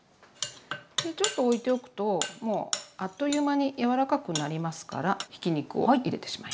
ちょっとおいておくともうあっという間に柔らかくなりますからひき肉を入れてしまいます。